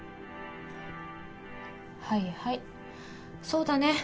はいはいそうだね。